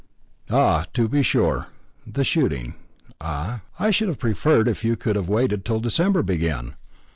"Ah, to be sure the shooting, ah! I should have preferred if you could have waited till December began."